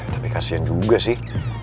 tapi kasian juga sih